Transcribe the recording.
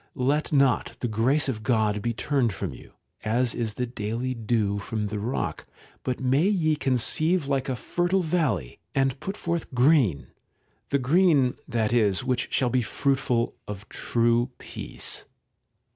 Let not the grace of God be turned from you, as is the daily dew from the rock, but may ye conceive like a fertile valley, and put forth green, the green, that is, which shall be fruitful of true peace.